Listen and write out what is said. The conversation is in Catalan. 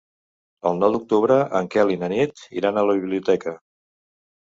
El nou d'octubre en Quel i na Nit iran a la biblioteca.